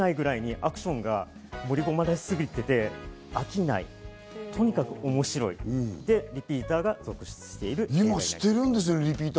アクションが盛り込まれ過ぎてても飽きない、とにかく面白い、そしてリピーターが続出しているんです。